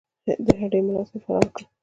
د هډې ملاصاحب یې فرار کړ.